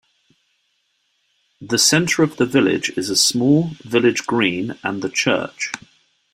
The centre of the village is a small village green and the church.